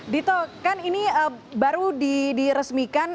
dito kan ini baru diresmikan